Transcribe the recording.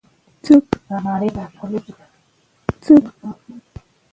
دا د یوه مسؤل لیکوال ځانګړنه ده.